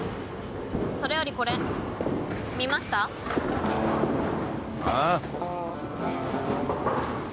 それよりこれ見ました？あっ？